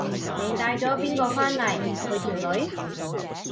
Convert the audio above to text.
你帶咗邊個返嚟？佢條女？